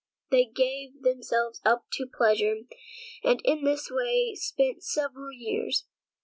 So they gave themselves up to pleasure, and in this way spent several years.